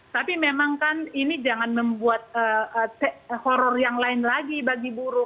tapi memang kan ini jangan membuat horror yang lain lagi bagi buruh